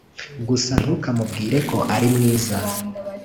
gusa ntukamubwire ko ari mwiza